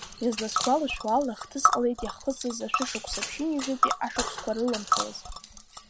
Изласгәалашәо ала ахҭыс ҟалеит иаҳхысыз ашәышықәса ԥшьынҩажәатәи ашықәсқәа рыламҭалаз.